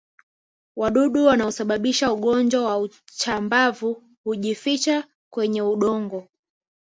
Wadudu wanaosababisha ugonjwa wa chambavu hujificha kwenye udongo